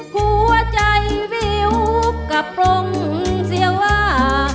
หัวใจวิวกลับลงเสียว่า